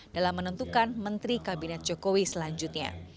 dalam menentukan menteri kabinet jokowi selanjutnya